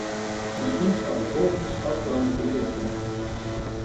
Misschien gaat de volgende stap wel in die richting.